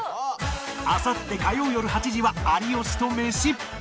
あさって火曜よる８時は有吉とメシ